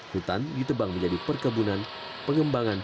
hutan ditebang menjadi perkebunan pengembangan